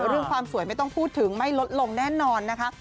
เรื่องความสวยไม่ต้องพูดถึงไม่ลดลงแน่นอนนะคะ